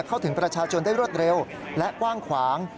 เข้าถึงประชาชนได้รวดเร็วและกว้างขวาง